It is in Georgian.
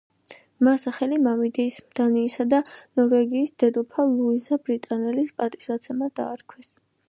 მას სახელი მამიდის, დანიისა და ნორვეგიის დედოფალ ლუიზა ბრიტანელის პატივსაცემად დაარქვეს.